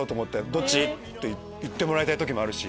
どっち？って言ってもらいたい時もあるし。